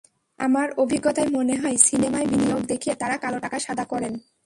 আমার অভিজ্ঞতায় মনে হয়, সিনেমায় বিনিয়োগ দেখিয়ে তাঁরা কালো টাকা সাদা করেন।